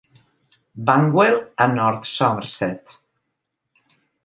Banwell a North Somerset.